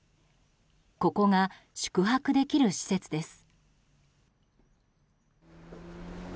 ここが宿泊できる施設です。